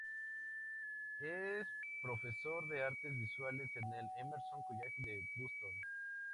Es profesor de artes visuales en el Emerson College de Boston.